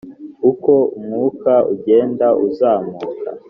Uko umwuka ugenda uzamuka